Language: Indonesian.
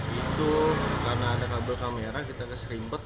itu karena ada kabel kamera kita keserimpet